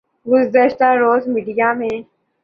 گزشتہ روز میڈیا میں